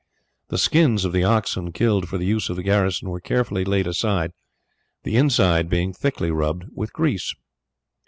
The skins of the oxen killed for the use of the garrison were carefully laid aside, the inside being thickly rubbed with grease.